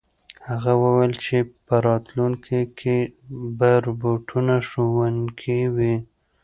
هغه وویل چې په راتلونکي کې به روبوټونه ښوونکي وي.